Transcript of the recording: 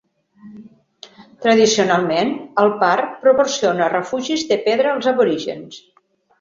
Tradicionalment, el parc proporciona refugis de pedra als aborígens.